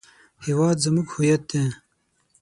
هېواد زموږ هویت دی